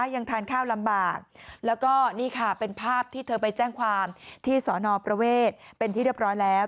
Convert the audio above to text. ยังทานข้าวลำบากแล้วก็นี่ค่ะเป็นภาพที่เธอไปแจ้งความที่สอนอประเวทเป็นที่เรียบร้อยแล้ว